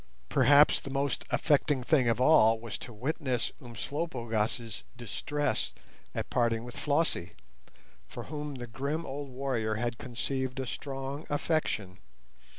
Perhaps the most affecting thing of all was to witness Umslopogaas' distress at parting with Flossie, for whom the grim old warrior had conceived a strong affection.